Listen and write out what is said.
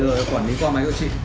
rồi quản lý qua máy gọi trị